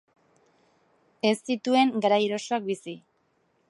Ez zituen garai erosoak bizi.